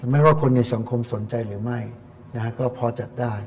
ไม่ว่าคนในสังคมสนใจหรือไม่ก็พอจัดได้